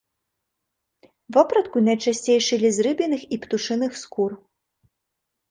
Вопратку найчасцей шылі з рыбіных і птушыных скур.